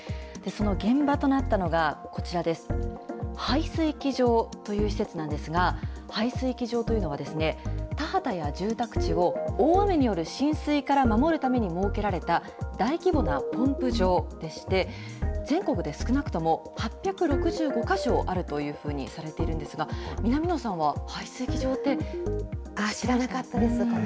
その現場となったのがこちらです、排水機場という施設なんですが、排水機場というのは、田畑や住宅地を大雨による浸水から守るために設けられた大規模なポンプ場でして、全国で少なくとも８６５か所あるというふうにされているんですが、知らなかったです。